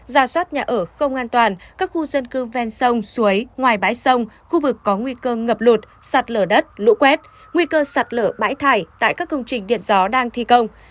ra soát nhà ở không an toàn các khu dân cư ven sông suối ngoài bãi sông khu vực có nguy cơ ngập lụt sạt lở đất lũ quét nguy cơ sạt lở bãi thải tại các công trình điện gió đang thi công